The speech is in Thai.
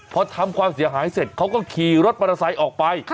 เพราะทำความเสียหายเสร็จเขาก็ขี่รถประสัยออกไป